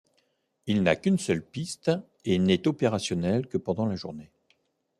Il n'a qu'une seule piste et n'est opérationnel que pendant la journée.